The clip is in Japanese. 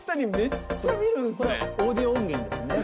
これはオーディオ音源ですね